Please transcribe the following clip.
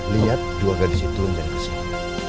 lihat dua gadis itu turun dari kesini